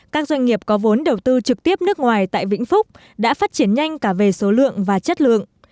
các doanh nghiệp có vốn đầu tư trực tiếp nước ngoài tại vĩnh phúc đã phát triển nhanh cả về số lượng và chất lượng